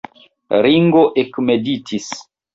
Ringo ekmeditis.